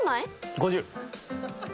５０。